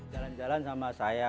jalan jalan sama saya